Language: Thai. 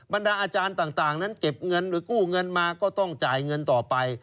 ดาอาจารย์ต่างนั้นเก็บเงินหรือกู้เงินมาก็ต้องจ่ายเงินต่อไป